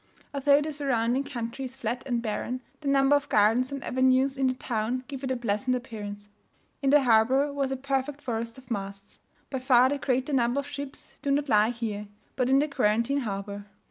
Although the surrounding country is flat and barren, the number of gardens and avenues in the town give it a pleasant appearance. In the harbour was a perfect forest of masts. By far the greater number of ships do not lie here, but in the quarantine harbour.